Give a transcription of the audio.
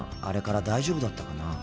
あれから大丈夫だったかな。